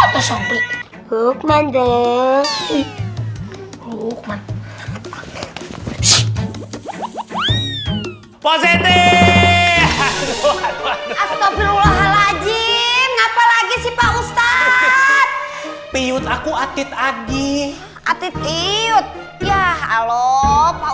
positif astaghfirullahaladzim ngapa lagi sih pak ustadz piut aku atit agih atit iut ya halo pak